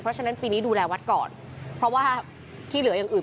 เพราะฉะนั้นปีนี้ดูแลวัดก่อนเพราะว่าที่เหลืออย่างอื่น